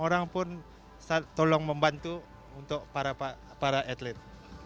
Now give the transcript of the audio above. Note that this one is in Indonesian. orang pun tolong membantu untuk para atlet